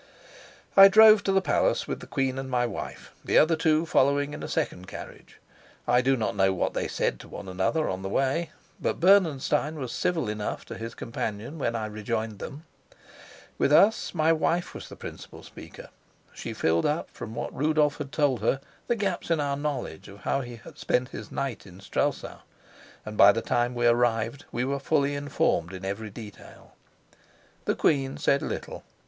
I drove to the palace with the queen and my wife, the other two following in a second carriage. I do not know what they said to one another on the way, but Bernenstein was civil enough to his companion when I rejoined them. With us my wife was the principal speaker: she filled up, from what Rudolf had told her, the gaps in our knowledge of how he had spent his night in Strelsau, and by the time we arrived we were fully informed in every detail. The queen said little.